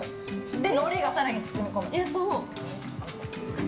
で、のりが更に包み込む。